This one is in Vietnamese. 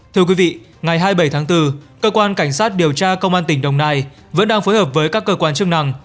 thưa quý vị ngày hai mươi bảy tháng bốn cơ quan cảnh sát điều tra công an tỉnh đồng nai vẫn đang phối hợp với các cơ quan chức năng